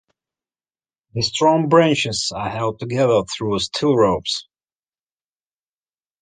The strong branches are held together through steel ropes.